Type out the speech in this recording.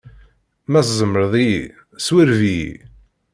Ma tzemṛeḍ-iyi, swireb-iyi!